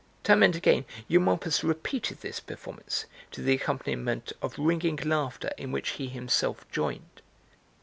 Time and again Eumolpus repeated this performance, to the accompaniment of ringing laughter in which he himself joined.